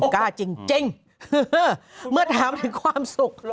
กล้าจริงเมื่อถามถึงความสุข